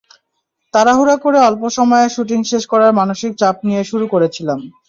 তাড়াহুড়া করে অল্প সময়ে শুটিং শেষ করার মানসিক চাপ নিয়ে শুরু করেছিলাম।